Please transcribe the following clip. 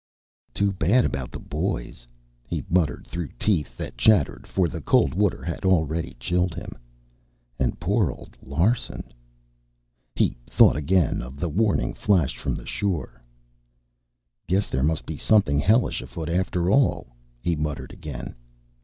"Too bad about the boys," he muttered through teeth that chattered, for the cold water had already chilled him. "And poor old Larsen." He thought again of the warning flashed from the shore. "Guess there must be something hellish afoot after all," he muttered again.